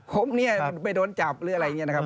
ผมเนี่ยไปโดนจับหรืออะไรอย่างนี้นะครับ